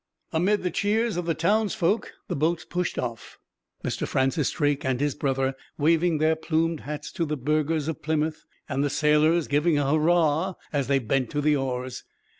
Amid the cheers of the townsfolk the boats pushed off, Mr. Francis Drake and his brother waving their plumed hats to the burghers of Plymouth, and the sailors giving a hurrah, as they bent to the oars.